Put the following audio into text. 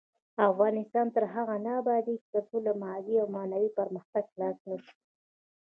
افغانستان تر هغو نه ابادیږي، ترڅو له مادي او معنوي پرمختګ خلاص نشو.